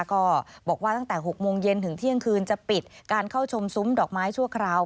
ก็บอกว่าตั้งแต่๖โมงเย็นถึงเที่ยงคืนจะปิดการเข้าชมซุ้มดอกไม้ชั่วคราว